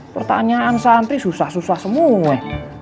pertanyaan santri susah susah semua